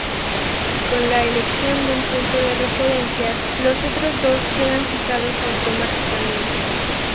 Con la elección de un punto de referencia, los otros dos quedan fijados automáticamente.